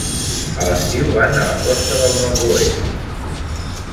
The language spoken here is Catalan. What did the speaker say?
A l'estiu van a la costa del nord-oest.